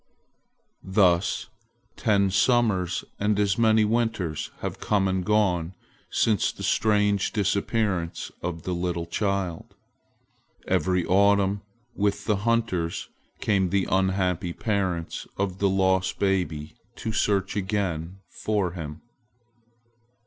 Thus ten summers and as many winters have come and gone since the strange disappearance of the little child. Every autumn with the hunters came the unhappy parents of the lost baby to search again for him.